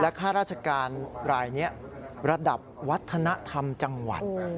ข้าราชการรายนี้ระดับวัฒนธรรมจังหวัด